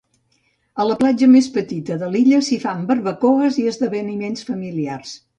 A la platja més petita de l'illa s'hi fan barbacoes i esdeveniments familiars.